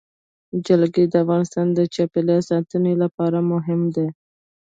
جلګه د افغانستان د چاپیریال ساتنې لپاره مهم دي.